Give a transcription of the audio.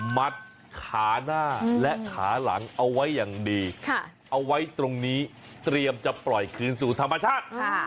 มัดขาหน้าและขาหลังเอาไว้อย่างดีเอาไว้ตรงนี้เตรียมจะปล่อยคืนสู่ธรรมชาติ